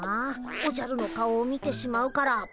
おじゃるの顔を見てしまうから。